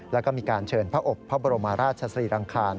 แล้วก็มีการเชิญพระอบพระบรมราชศรีรังคาร